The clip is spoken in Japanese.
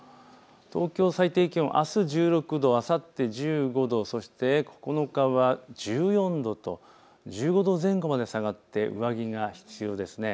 東京の最低気温、あす１６度、あさって１５度、そして９日は１４度と１５度前後まで下がって上着が必要ですね。